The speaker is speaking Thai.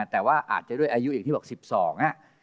แต่ว่าอาจจะด้วยอายุอย่างที่บอก๑๒อ่ะ